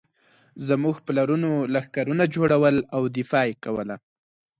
زموږ پلرونو لښکرونه جوړول او دفاع یې کوله.